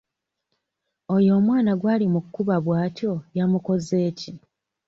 Oyo omwana gw'ali mu kkuba bw'atyo yamukoze ki?